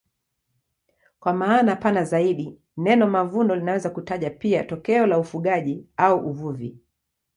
Kwa maana pana zaidi neno mavuno linaweza kutaja pia tokeo la ufugaji au uvuvi.